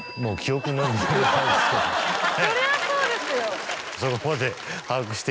そりゃそうですよ！